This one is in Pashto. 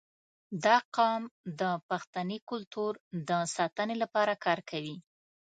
• دا قوم د پښتني کلتور د ساتنې لپاره کار کوي.